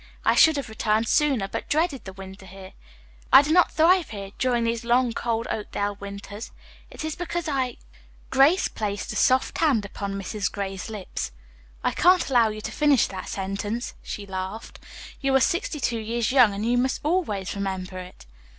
I should have returned sooner, but dreaded the winter here. I do not thrive here during these long, cold Oakdale winters. It is because I " Grace placed a soft hand upon Mrs. Gray's lips. "I can't allow you to finish that sentence," she laughed. "You are sixty two years young, and you must always remember it."